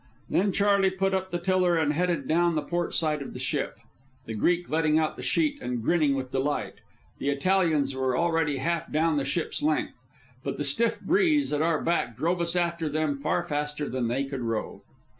Then Charley put up the tiller and headed down the port side of the ship, the Greek letting out the sheet and grinning with delight. The Italians were already half way down the ship's length; but the stiff breeze at our back drove us after them far faster than they could row.